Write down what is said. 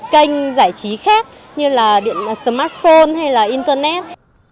kênh giải trí khác như là điện smartphone hay là internet